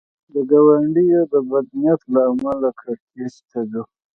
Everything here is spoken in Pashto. د ګاونډیو د بد نیت له امله کړکېچ ته ځو.